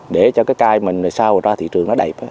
để cho cái cai mình sao ra thị trường nó đẹp